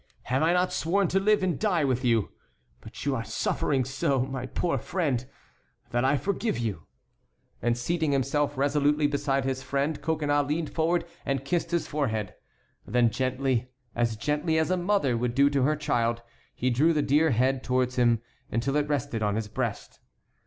Have I not sworn to live and die with you? But you are suffering so, my poor friend, that I forgive you." And seating himself resolutely beside his friend Coconnas leaned forward and kissed his forehead. Then gently, as gently as a mother would do to her child, he drew the dear head towards him, until it rested on his breast.